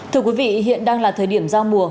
thưa quý vị hiện đang là thời điểm giao mùa